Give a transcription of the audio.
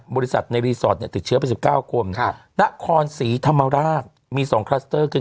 บริษัทในรีสอร์ตติดเชื้อประดาษ๑๙คน